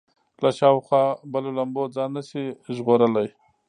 له شاوخوا بلو لمبو ځان نه شي ژغورلی.